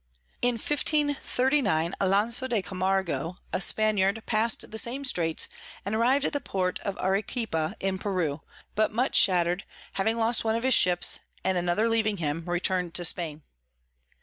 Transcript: In 1539 Alonso de Camargo a Spaniard pass'd the same Straits, and arriv'd at the Port of Arequipa in Peru; but much shatter'd, having lost one of his Ships, and another leaving him, return'd to Spain.